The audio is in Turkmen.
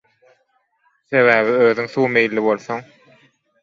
Sebäbi özüň suw meýilli bolsaň